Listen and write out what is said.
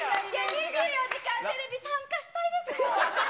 ２４時間テレビ参加したいですもん。